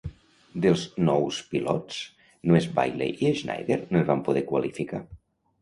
Dels nous pilots, només Bailey i Schneider no es van poder qualificar.